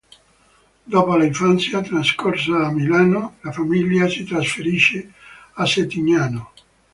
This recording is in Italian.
Dopo l'infanzia trascorsa a Milano, la famiglia si trasferisce a Settignano.